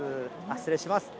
失礼します。